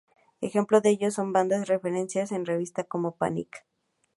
Ejemplo de ello son bandas referenciadas en la revista como Panic!